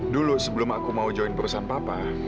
dulu sebelum aku mau join perusahaan papa